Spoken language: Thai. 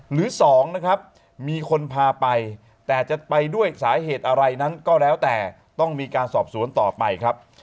หรือ๒นะครับมีคนพาไปแต่จะไปด้วยสาเหตุอะไรนั้นก็แล้วแต่ต้องมีการสอบสวนต่อไปครับ